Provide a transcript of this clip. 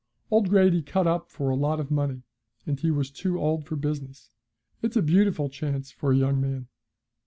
Old Grady cut up for a lot of money, and he was too old for business. It's a beautiful chance for a young man.'